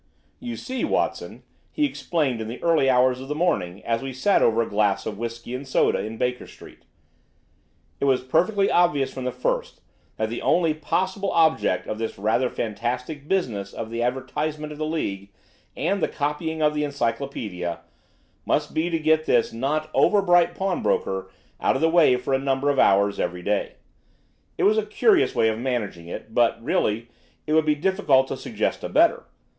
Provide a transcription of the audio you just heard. "You see, Watson," he explained in the early hours of the morning as we sat over a glass of whisky and soda in Baker Street, "it was perfectly obvious from the first that the only possible object of this rather fantastic business of the advertisement of the League, and the copying of the Encyclopædia, must be to get this not over bright pawnbroker out of the way for a number of hours every day. It was a curious way of managing it, but, really, it would be difficult to suggest a better.